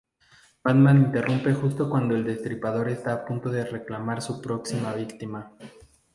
Batman irrumpe justo cuando el destripador está a punto de reclamar su próxima víctima.